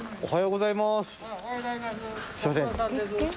おはようございます。